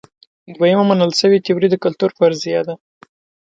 دویمه منل شوې تیوري د کلتور فرضیه ده.